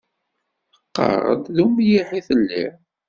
Taqqar-d d umliḥ i telliḍ.